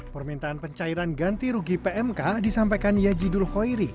permintaan pencairan ganti rugi pmk disampaikan yajidul khoiri